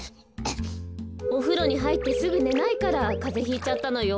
おふろにはいってすぐねないからカゼひいちゃったのよ。